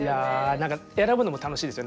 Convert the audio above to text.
何か選ぶのも楽しいですよね。